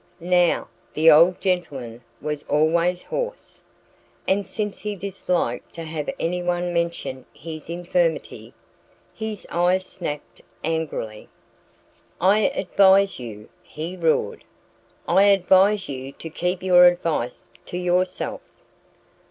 Now, the old gentleman was always hoarse. And since he disliked to have anyone mention his infirmity, his eyes snapped angrily. "I advise you " he roared "I advise you to keep your advice to yourself."